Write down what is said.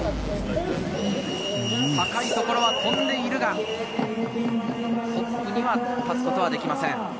高いところは飛んでいるが、トップに立つことはできません。